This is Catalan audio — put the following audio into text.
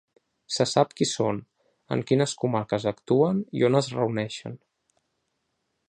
Se sap qui són, en quines comarques actuen i on es reuneixen.